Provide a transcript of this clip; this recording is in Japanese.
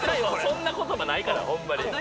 そんな言葉ないからホンマに。